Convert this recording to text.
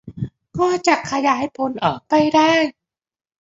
ก็จะขยายผลออกไปได้